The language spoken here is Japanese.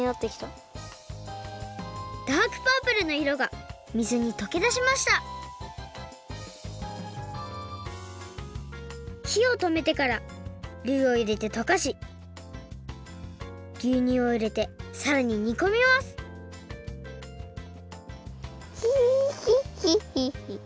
ダークパープルのいろが水にとけだしましたひをとめてからルーをいれてとかしぎゅうにゅうをいれてさらににこみますヒヒッヒッヒッヒ。